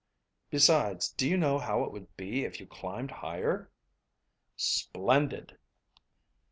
Besides, do you know how it would be if you climbed higher?" "Splendid."